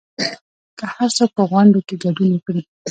که هرڅوک په غونډو کې ګډون وکړي